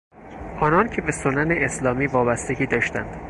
آنان که به سنن اسلامی وابستگی داشتند